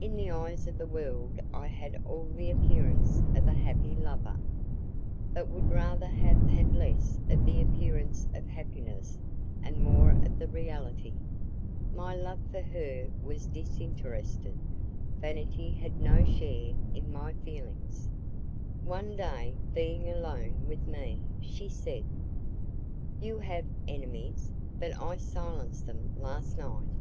In the eyes of the world I had all the appearance of a happy lover, but I would rather have had less of the appearance of happiness and more of the reality. My love for her was disinterested; vanity had no share in my feelings. One day, being alone with me, she said, "You have enemies, but I silenced them last night."